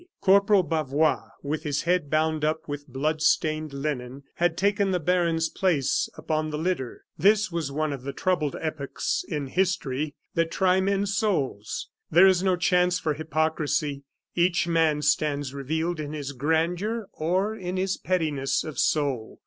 Corporal Bavois, with his head bound up with bloodstained linen, had taken the baron's place upon the litter. This was one of the troubled epochs in history that try men's souls. There is no chance for hypocrisy; each man stands revealed in his grandeur, or in his pettiness of soul.